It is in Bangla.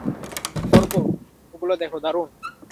কর্গ, ওগুলো দেখো, দারুণ।